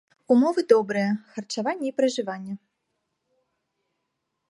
Умовы добрыя, харчаванне і пражыванне.